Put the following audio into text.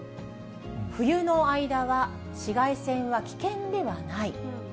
冬の間は紫外線は危険ではない。